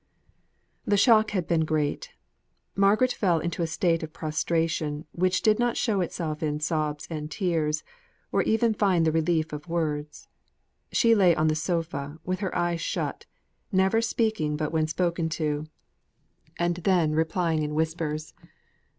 The shock had been great. Margaret fell into a state of prostration, which did not show itself in sobs and tears, or even find the relief of words. She lay on the sofa with her eyes shut, never speaking but when spoken to, and then replying in whispers.